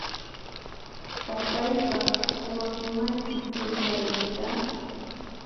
Papayqaq quwankimanchu chay saraykita?